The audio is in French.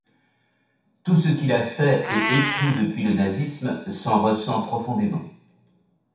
Tout ce qu'il a fait et écrit depuis le nazisme s'en ressent profondément.